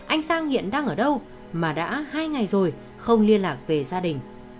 anh sang hiện đang ở đâu mà đã hai ngày rồi không liên lạc về gia đình